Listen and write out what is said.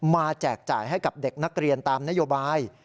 แจกจ่ายให้กับเด็กนักเรียนตามนโยบาย